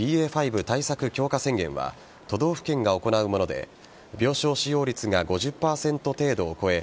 ５対策強化宣言は都道府県が行うもので病床使用率が５０％程度を超え